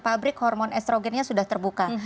pabrik hormon estrogennya sudah terbuka